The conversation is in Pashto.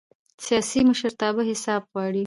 سیاسي مشرتابه حساب غواړي